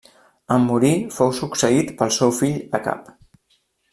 En morir fou succeït pel seu fill Acab.